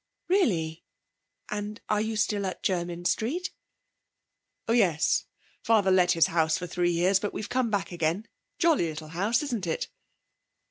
'Really? And are you still at Jermyn Street?' 'Oh yes. Father let his house for three years, but we've come back again. Jolly little house, isn't it?'